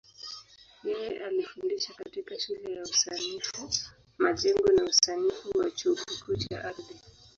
Yeye alifundisha katika Shule ya Usanifu Majengo na Usanifu wa Chuo Kikuu cha Ardhi.